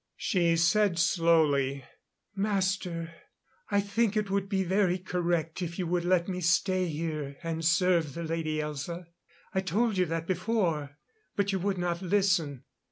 She said slowly: "Master, I think it would be very correct if you would let me stay here and serve the Lady Elza. I told you that before, but you would not listen."